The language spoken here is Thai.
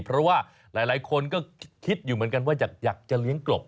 เพราะว่าหลายคนก็คิดอยู่เหมือนกันว่าอยากจะเลี้ยงกลบ